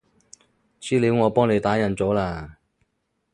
資料我幫你打印咗喇